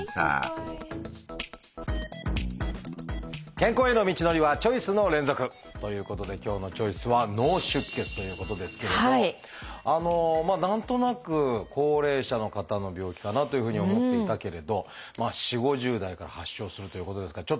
健康への道のりはチョイスの連続！ということで今日の「チョイス」は何となく高齢者の方の病気かなというふうに思っていたけれど４０５０代から発症するということですからちょっと怖い気もしますが。